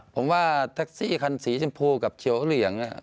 ผมว่าแท็กซี่คันสีชมพูกับเฉียวเหลี่ยง